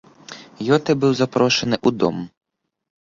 Гётэ быў запрошаны ў дом.